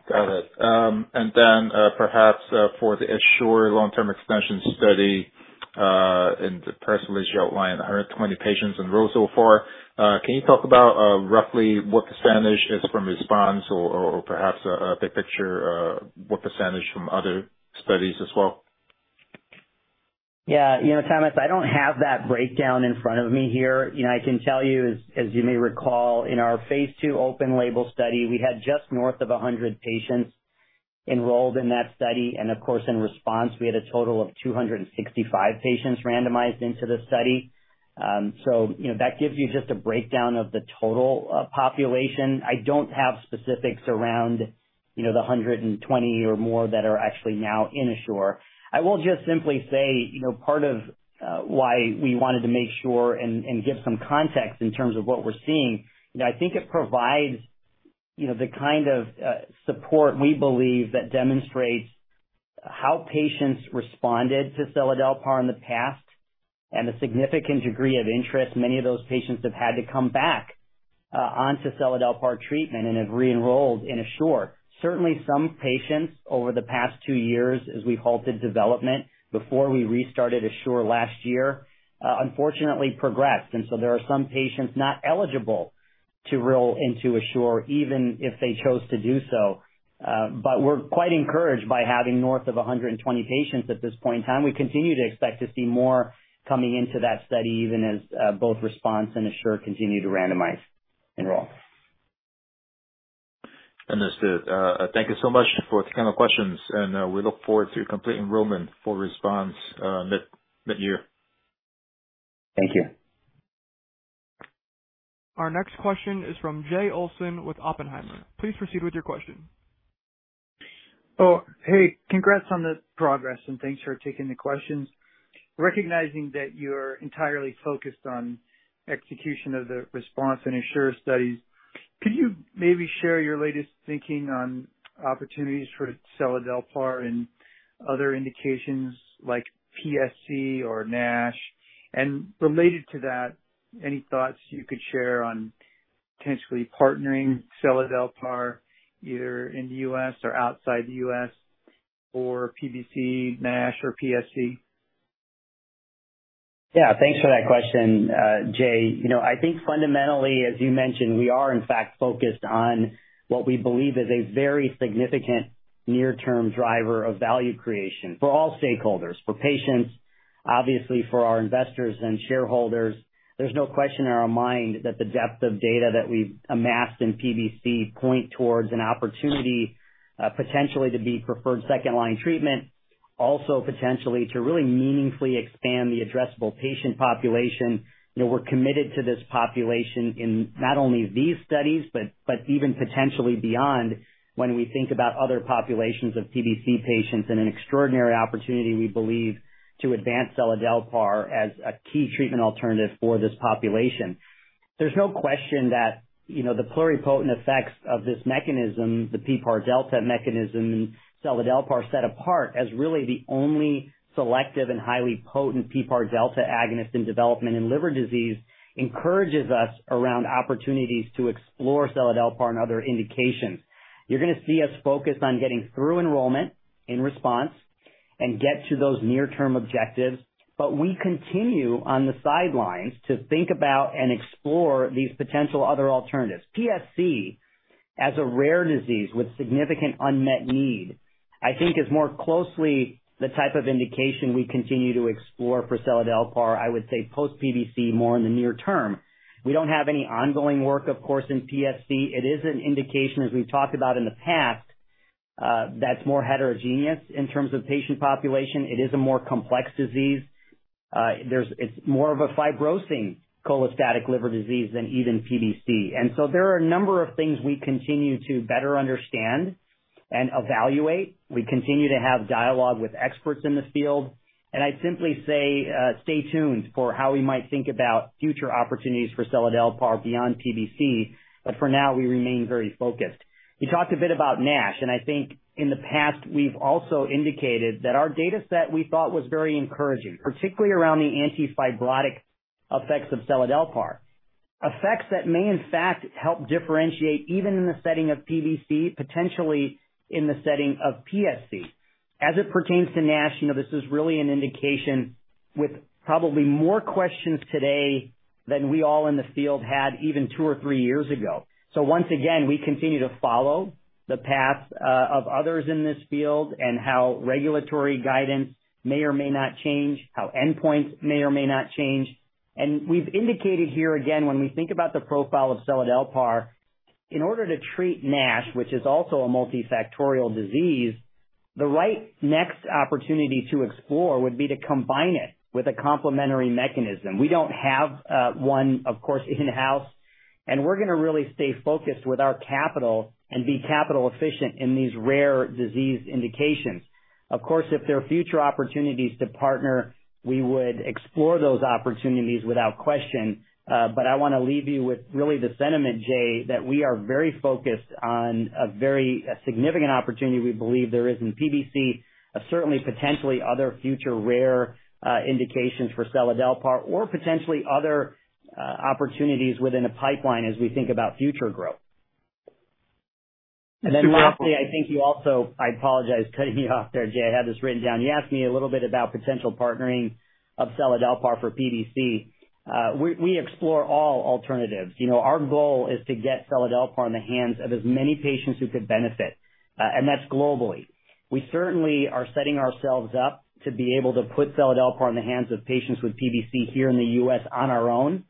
S8: Got it. Perhaps, for the ASSURE long-term extension study, in the press release, you outlined 120 patients enrolled so far. Can you talk about roughly what percentage is from RESPONSE or perhaps a big picture, what percentage from other studies as well?
S3: Yeah. You know, Thomas, I don't have that breakdown in front of me here. You know, I can tell you, as you may recall, in our phase II open-label study, we had just north of 100 patients enrolled in that study. Of course, in RESPONSE, we had a total of 265 patients randomized into the study. You know, that gives you just a breakdown of the total population. I don't have specifics around, you know, the 120 or more that are actually now in ASSURE. I will just simply say, you know, part of why we wanted to make sure and give some context in terms of what we're seeing, you know, I think it provides, you know, the kind of support we believe that demonstrates how patients responded to Seladelpar in the past and the significant degree of interest. Many of those patients have had to come back onto Seladelpar treatment and have re-enrolled in ASSURE. Certainly, some patients over the past two years, as we halted development before we restarted ASSURE last year, unfortunately progressed, and so there are some patients not eligible to enroll into ASSURE even if they chose to do so. But we're quite encouraged by having north of 120 patients at this point in time. We continue to expect to see more coming into that study, even as both RESPONSE and ASSURE continue to randomize enroll.
S8: Understood. Thank you so much for the questions, and we look forward to complete enrollment for RESPONSE mid-year.
S3: Thank you.
S1: Our next question is from Jay Olson with Oppenheimer. Please proceed with your question.
S9: Oh, hey, congrats on the progress, and thanks for taking the questions. Recognizing that you're entirely focused on execution of the RESPONSE and ASSURE studies, could you maybe share your latest thinking on opportunities for Seladelpar in other indications like PSC or NASH? Related to that, any thoughts you could share on potentially partnering Seladelpar either in the U.S. or outside the U.S. for PBC, NASH, or PSC?
S3: Yeah, thanks for that question, Jay. You know, I think fundamentally, as you mentioned, we are in fact focused on what we believe is a very significant near-term driver of value creation for all stakeholders, for patients, obviously for our investors and shareholders. There's no question in our mind that the depth of data that we've amassed in PBC point towards an opportunity, potentially to be preferred second line treatment, also potentially to really meaningfully expand the addressable patient population. You know, we're committed to this population in not only these studies, but even potentially beyond when we think about other populations of PBC patients and an extraordinary opportunity we believe to advance Seladelpar as a key treatment alternative for this population. There's no question that, you know, the pluripotent effects of this mechanism, the PPAR delta mechanism, Seladelpar set apart as really the only selective and highly potent PPAR delta agonist in development in liver disease, encourages us around opportunities to explore Seladelpar and other indications. You're gonna see us focus on getting through enrollment in RESPONSE and get to those near-term objectives, but we continue on the sidelines to think about and explore these potential other alternatives. PSC, as a rare disease with significant unmet need, I think is more closely the type of indication we continue to explore for Seladelpar, I would say post PBC more in the near term. We don't have any ongoing work, of course, in PSC. It is an indication, as we've talked about in the past, that's more heterogeneous in terms of patient population. It is a more complex disease. It's more of a fibrosing cholestatic liver disease than even PBC. There are a number of things we continue to better understand and evaluate. We continue to have dialogue with experts in this field. I'd simply say, stay tuned for how we might think about future opportunities for Seladelpar beyond PBC, but for now we remain very focused. You talked a bit about NASH, and I think in the past we've also indicated that our data set we thought was very encouraging, particularly around the antifibrotic effects of Seladelpar. Effects that may, in fact, help differentiate even in the setting of PBC, potentially in the setting of PSC. As it pertains to NASH, you know, this is really an indication with probably more questions today than we all in the field had even two or three years ago. Once again, we continue to follow the path of others in this field and how regulatory guidance may or may not change, how endpoints may or may not change. We've indicated here again, when we think about the profile of Seladelpar, in order to treat NASH, which is also a multifactorial disease, the right next opportunity to explore would be to combine it with a complementary mechanism. We don't have one, of course, in-house, and we're gonna really stay focused with our capital and be capital efficient in these rare disease indications. Of course, if there are future opportunities to partner, we would explore those opportunities without question. I wanna leave you with really the sentiment, Jay, that we are very focused on a very significant opportunity we believe there is in PBC. Certainly, potentially other future rare indications for Seladelpar or potentially other opportunities within the pipeline as we think about future growth. Lastly, I think you also. I apologize for cutting you off there, Jay. I had this written down. You asked me a little bit about potential partnering of Seladelpar for PBC. We explore all alternatives. You know, our goal is to get Seladelpar in the hands of as many patients who could benefit, and that's globally. We certainly are setting ourselves up to be able to put Seladelpar in the hands of patients with PBC here in the U.S. on our own.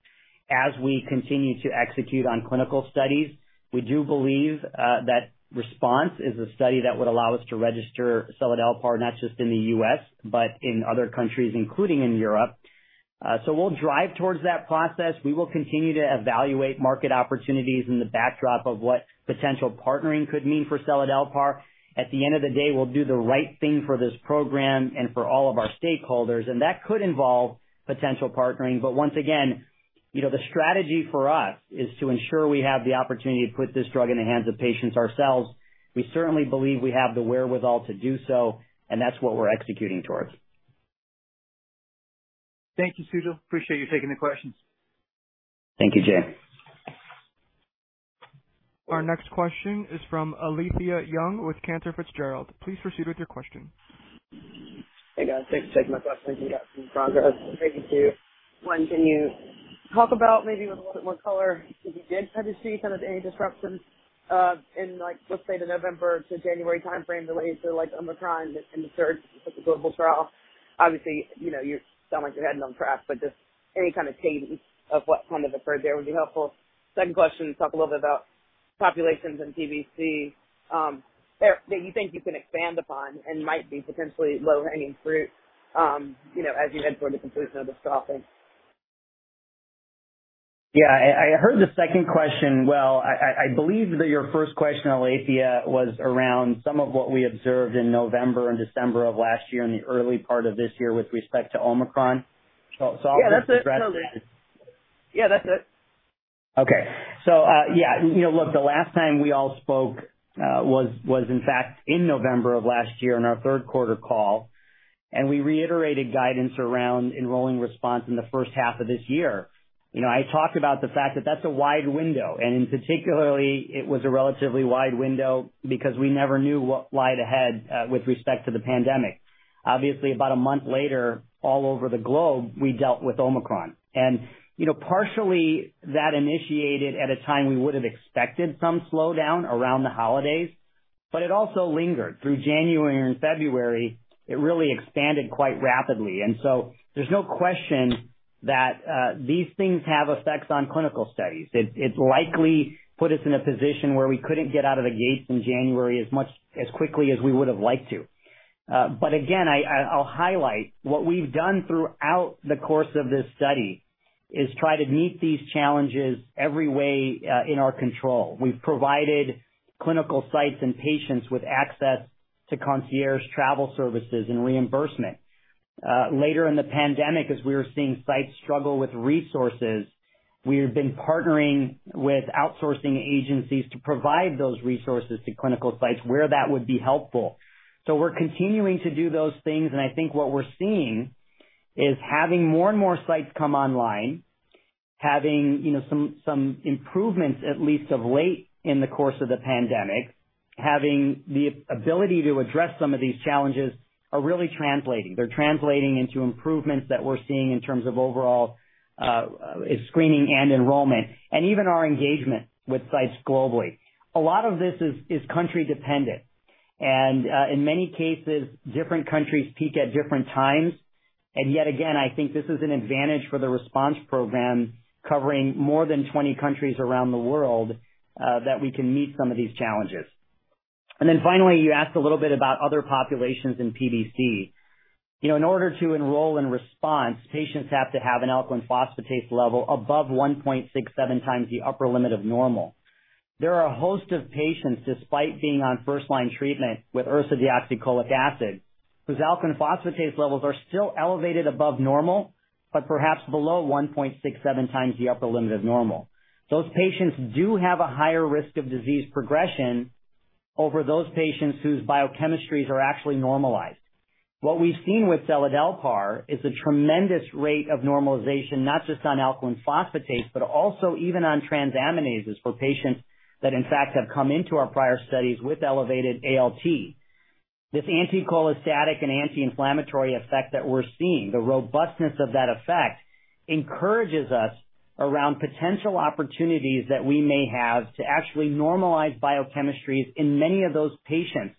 S3: As we continue to execute on clinical studies, we do believe that RESPONSE is a study that would allow us to register Seladelpar not just in the U.S., but in other countries, including in Europe. We'll drive towards that process. We will continue to evaluate market opportunities in the backdrop of what potential partnering could mean for Seladelpar. At the end of the day, we'll do the right thing for this program and for all of our stakeholders, and that could involve potential partnering. Once again, you know, the strategy for us is to ensure we have the opportunity to put this drug in the hands of patients ourselves. We certainly believe we have the wherewithal to do so, and that's what we're executing towards.
S9: Thank you, Sujal. Appreciate you taking the questions.
S3: Thank you, Jay.
S1: Our next question is from Alethia Young with Cantor Fitzgerald. Please proceed with your question.
S10: Hey, guys. Thanks for taking my questions. You got some progress. Maybe two. One, can you talk about maybe with a little bit more color, if you did, have you seen kind of any disruptions in like, let's say the November to January timeframe related to like Omicron and the surge with the global trial? Obviously, you know, you sound like you're heading on track, but just any kind of cadence of what kind of occurred there would be helpful. Second question, talk a little bit about populations in PBC that you think you can expand upon and might be potentially low-hanging fruit, you know, as you head toward the conclusion of the trial phase.
S3: Yeah, I heard the second question well. I believe that your first question, Alethia, was around some of what we observed in November and December of last year and the early part of this year with respect to Omicron. So I'll address that.
S10: Yeah, that's it.
S3: Okay. Yeah. You know, look, the last time we all spoke was in fact in November of last year on our third quarter call, and we reiterated guidance around enrolling RESPONSE in the first half of this year. You know, I talked about the fact that that's a wide window, and particularly it was a relatively wide window because we never knew what lied ahead with respect to the pandemic. Obviously, about a month later, all over the globe, we dealt with Omicron. You know, partially that initiated at a time we would have expected some slowdown around the holidays, but it also lingered. Through January and February, it really expanded quite rapidly. There's no question that these things have effects on clinical studies. It likely put us in a position where we couldn't get out of the gates in January as quickly as we would have liked to. But again, I'll highlight what we've done throughout the course of this study is try to meet these challenges every way in our control. We've provided clinical sites and patients with access to concierge travel services and reimbursement. Later in the pandemic, as we were seeing sites struggle with resources, we have been partnering with outsourcing agencies to provide those resources to clinical sites where that would be helpful. We're continuing to do those things, and I think what we're seeing is having more and more sites come online, having you know some improvements at least of late in the course of the pandemic. Having the ability to address some of these challenges are really translating. They're translating into improvements that we're seeing in terms of overall, screening and enrollment, and even our engagement with sites globally. A lot of this is country-dependent. In many cases, different countries peak at different times. Yet again, I think this is an advantage for the RESPONSE program, covering more than 20 countries around the world, that we can meet some of these challenges. Then, finally, you asked a little bit about other populations in PBC. You know, in order to enroll in RESPONSE, patients have to have an alkaline phosphatase level above 1.67 times the upper limit of normal. There are a host of patients, despite being on first-line treatment with ursodeoxycholic acid, whose alkaline phosphatase levels are still elevated above normal, but perhaps below 1.67 times the upper limit of normal. Those patients do have a higher risk of disease progression over those patients whose biochemistries are actually normalized. What we've seen with Seladelpar is a tremendous rate of normalization, not just on alkaline phosphatase, but also even on transaminases for patients that, in fact, have come into our prior studies with elevated ALT. This anticholestatic and anti-inflammatory effect that we're seeing, the robustness of that effect encourages us around potential opportunities that we may have to actually normalize biochemistries in many of those patients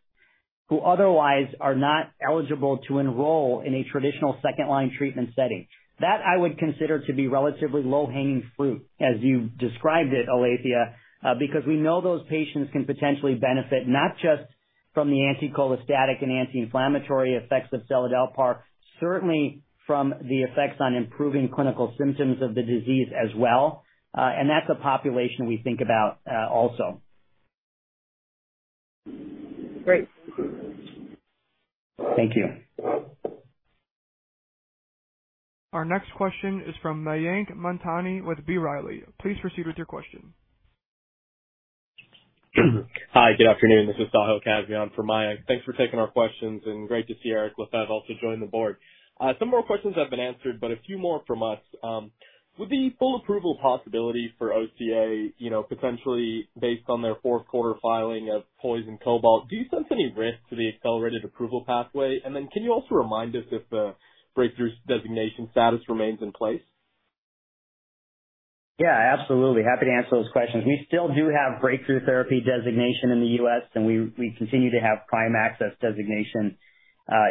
S3: who otherwise are not eligible to enroll in a traditional second-line treatment setting. That I would consider to be relatively low-hanging fruit, as you described it, Alethea, because we know those patients can potentially benefit not just from the anticholestatic and anti-inflammatory effects of Seladelpar, certainly from the effects on improving clinical symptoms of the disease as well. That's a population we think about, also.
S10: Great.
S3: Thank you.
S1: Our next question is from Mayank Mamtani with B. Riley. Please proceed with your question.
S11: Hi, good afternoon, this is Sahil Kazmi for Mayank. Thanks for taking our questions and great to see Éric Lefebvre also join the board. Some more questions have been answered, but a few more from us. With the full approval possibility for OCA, you know, potentially based on their fourth quarter filing of POISE and COBALT, do you sense any risk to the accelerated approval pathway? And then can you also remind us if the breakthrough designation status remains in place?
S3: Yeah, absolutely. Happy to answer those questions. We still do have Breakthrough Therapy Designation in the U.S., and we continue to have PRIME designation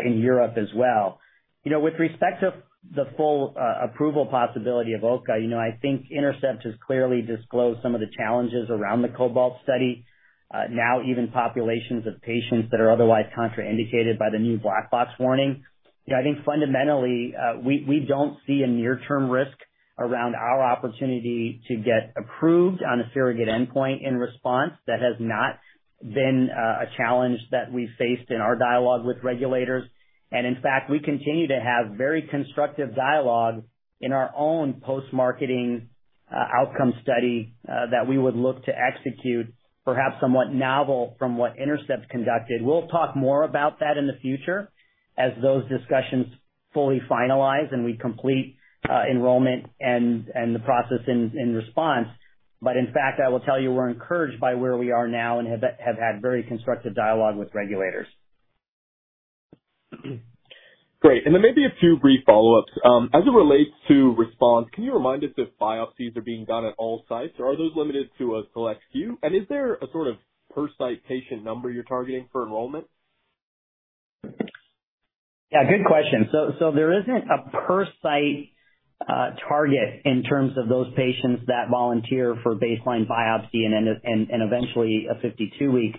S3: in Europe as well. You know, with respect to the full approval possibility of OCA, you know, I think Intercept has clearly disclosed some of the challenges around the COBALT study. Now even populations of patients that are otherwise contraindicated by the new black box warning. You know, I think fundamentally, we don't see a near-term risk around our opportunity to get approved on a surrogate endpoint in RESPONSE. That has not been a challenge that we've faced in our dialogue with regulators. In fact, we continue to have very constructive dialogue in our own post-marketing outcome study that we would look to execute, perhaps somewhat novel from what Intercept's conducted. We'll talk more about that in the future as those discussions fully finalize and we complete enrollment and the process in RESPONSE. In fact, I will tell you we're encouraged by where we are now and have had very constructive dialogue with regulators.
S11: Great. Maybe a few brief follow-ups. As it relates to RESPONSE, can you remind us if biopsies are being done at all sites, or are those limited to a select few? Is there a sort of per site patient number you're targeting for enrollment?
S3: Yeah, good question. There isn't a per site target in terms of those patients that volunteer for baseline biopsy and then eventually a 52-week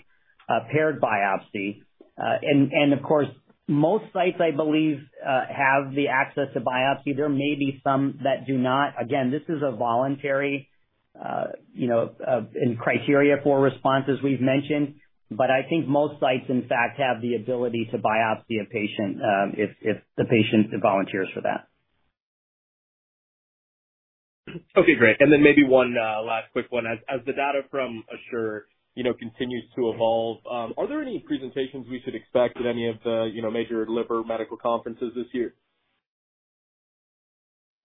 S3: paired biopsy. Of course, most sites, I believe, have the access to biopsy. There may be some that do not. Again, this is a voluntary, you know, and criteria for RESPONSE, as we've mentioned. I think most sites, in fact, have the ability to biopsy a patient, if the patient volunteers for that.
S11: Okay, great. Maybe one last quick one. As the data from ASSURE, you know, continues to evolve, are there any presentations we should expect at any of the, you know, major liver medical conferences this year?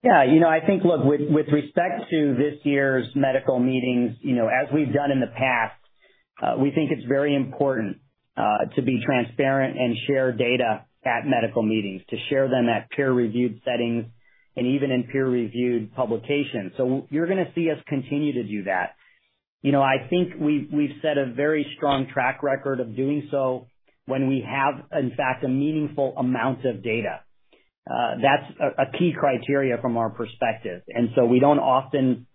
S3: Yeah. You know, I think, look, with respect to this year's medical meetings, you know, as we've done in the past, we think it's very important to be transparent and share data at medical meetings, to share them at peer-reviewed settings and even in peer-reviewed publications. You're gonna see us continue to do that. You know, I think we've set a very strong track record of doing so when we have, in fact, a meaningful amount of data. That's a key criteria from our perspective. We don't often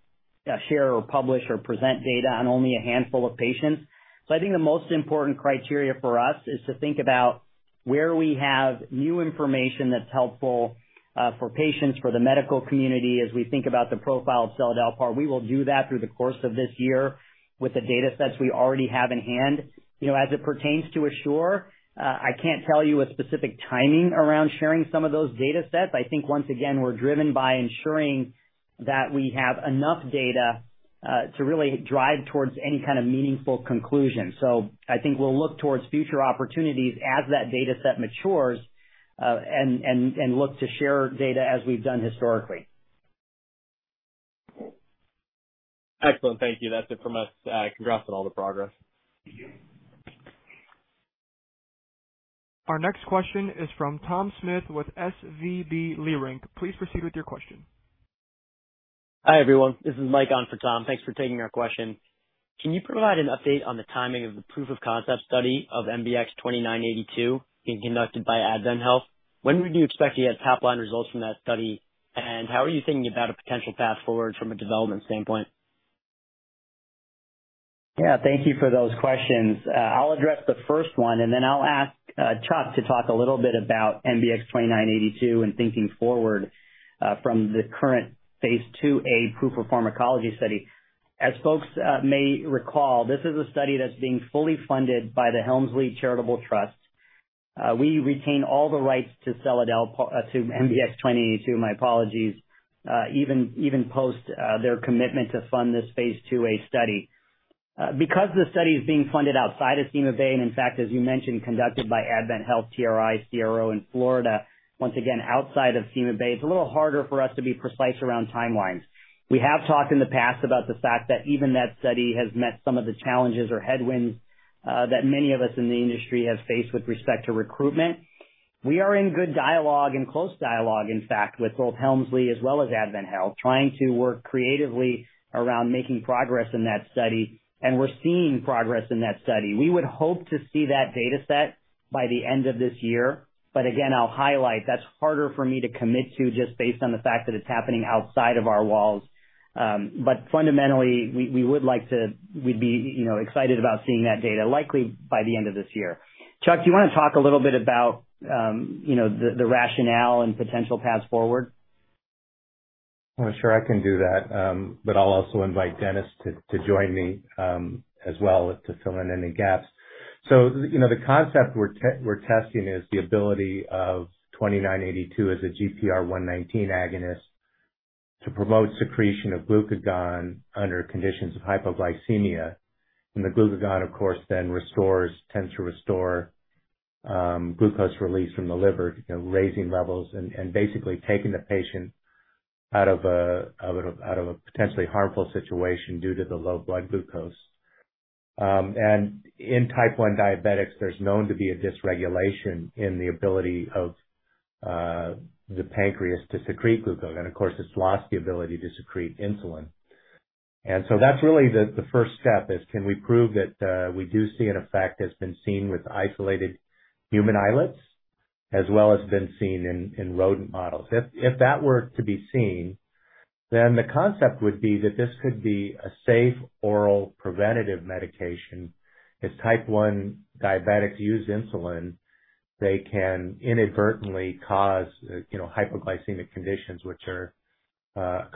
S3: share or publish or present data on only a handful of patients. I think the most important criteria for us is to think about where we have new information that's helpful for patients, for the medical community, as we think about the profile of Seladelpar. We will do that through the course of this year with the datasets we already have in-hand. You know, as it pertains to ASSURE, I can't tell you a specific timing around sharing some of those datasets. I think once again, we're driven by ensuring that we have enough data, to really drive towards any kind of meaningful conclusion. I think we'll look towards future opportunities as that dataset matures, and look to share data as we've done historically.
S11: Excellent. Thank you. That's it from us. Congrats on all the progress.
S1: Our next question is from Tom Smith with SVB Leerink. Please proceed with your question.
S12: Hi, everyone. This is Mike on for Tom. Thanks for taking our question. Can you provide an update on the timing of the proof-of-concept study of MBX-2982 being conducted by AdventHealth? When would you expect to get top-line results from that study? And how are you thinking about a potential path forward from a development standpoint?
S3: Yeah, thank you for those questions. I'll address the first one, and then I'll ask Chuck to talk a little bit about MBX-2982 and thinking forward from the current phase II proof of pharmacology study. As folks may recall, this is a study that's being fully funded by the Helmsley Charitable Trust. We retain all the rights to MBX-2982; my apologies, even post their commitment to fund this phase IIa study. Because the study is being funded outside of CymaBay, and in fact, as you mentioned, conducted by AdventHealth TRI CRO in Florida, once again outside of CymaBay, it's a little harder for us to be precise around timelines. We have talked in the past about the fact that even that study has met some of the challenges or headwinds that many of us in the industry have faced with respect to recruitment. We are in good dialogue and close dialogue, in fact, with both Helmsley as well as AdventHealth, trying to work creatively around making progress in that study, and we're seeing progress in that study. We would hope to see that data set by the end of this year. Again, I'll highlight that's harder for me to commit to just based on the fact that it's happening outside of our walls. Fundamentally we would like to be, you know, excited about seeing that data likely by the end of this year. Chuck, do you wanna talk a little bit about, you know, the rationale and potential paths forward?
S13: Sure, I can do that. I'll also invite Dennis to join me as well to fill in any gaps. You know, the concept we're testing is the ability of MBX-2982 as a GPR119 agonist to promote secretion of glucagon under conditions of hypoglycemia. The glucagon, of course, then tends to restore glucose release from the liver, you know, raising levels and basically taking the patient out of a potentially harmful situation due to the low blood glucose. In type 1 diabetics, there's known to be a dysregulation in the ability of the pancreas to secrete glucose. Of course, it's lost the ability to secrete insulin. That's really the first step, is can we prove that we do see an effect that's been seen with isolated human islets as well as been seen in rodent models? If that were to be seen, then the concept would be that this could be a safe oral preventative medication. If type 1 diabetics use insulin, they can inadvertently cause, you know, hypoglycemic conditions, which are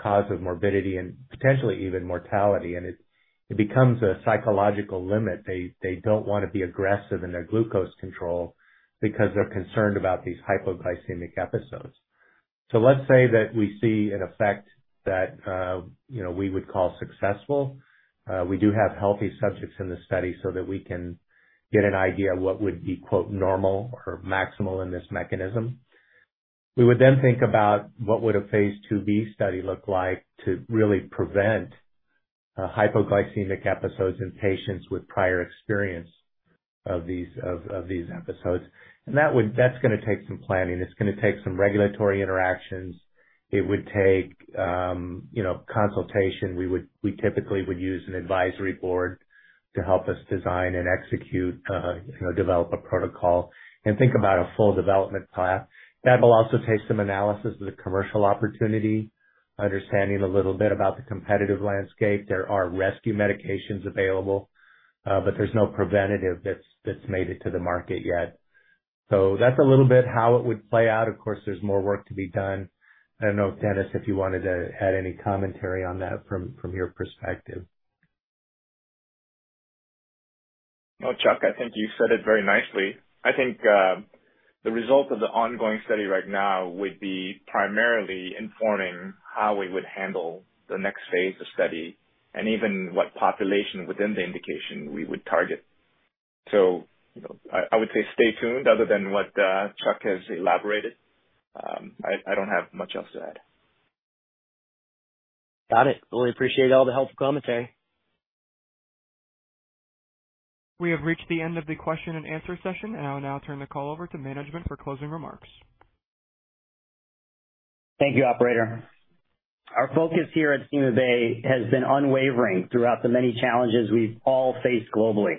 S13: cause of morbidity and potentially even mortality. It becomes a psychological limit. They don't wanna be aggressive in their glucose control because they're concerned about these hypoglycemic episodes. Let's say that we see an effect that, you know, we would call successful. We do have healthy subjects in the study so that we can get an idea of what would be “normal” or maximal in this mechanism. We would then think about what would a phase IIb study look like to really prevent hypoglycemic episodes in patients with prior experience of these episodes. That's gonna take some planning. It's gonna take some regulatory interactions. It would take, you know, consultation. We typically would use an advisory board to help us design and execute, you know, develop a protocol and think about a full development path. That will also take some analysis of the commercial opportunity, understanding a little bit about the competitive landscape. There are rescue medications available, but there's no preventative that's made it to the market yet. That's a little bit how it would play out. Of course, there's more work to be done. I don't know, Dennis, if you wanted to add any commentary on that from your perspective.
S14: No, Chuck, I think you said it very nicely. I think, the result of the ongoing study right now would be primarily informing how we would handle the next phase of study and even what population within the indication we would target. You know, I would say stay tuned other than what, Chuck has elaborated. I don't have much else to add.
S12: Got it. Really appreciate all the helpful commentary.
S1: We have reached the end of the question-and-answer session, and I'll now turn the call over to management for closing remarks.
S3: Thank you, operator. Our focus here at CymaBay has been unwavering throughout the many challenges we've all faced globally.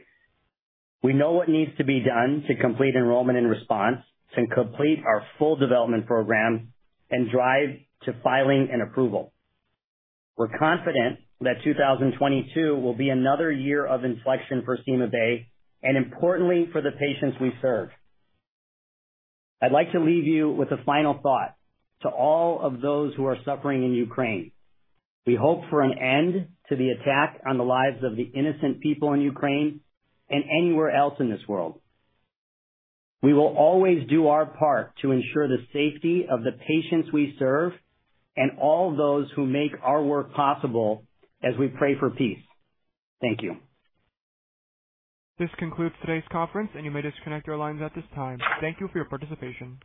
S3: We know what needs to be done to complete enrollment in RESPONSE, to complete our full development program and drive to filing and approval. We're confident that 2022 will be another year of inflection for CymaBay and importantly, for the patients we serve. I'd like to leave you with a final thought. To all of those who are suffering in Ukraine, we hope for an end to the attack on the lives of the innocent people in Ukraine and anywhere else in this world. We will always do our part to ensure the safety of the patients we serve and all those who make our work possible as we pray for peace. Thank you.
S1: This concludes today's conference, and you may disconnect your lines at this time. Thank you for your participation.